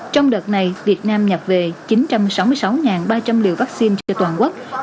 trong đợt này việt nam nhập về chín trăm sáu mươi sáu ba trăm linh liều vaccine trên toàn quốc